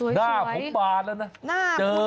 หน้าผมมาแล้วนะเจอ